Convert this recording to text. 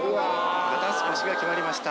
肩透かしが決まりました。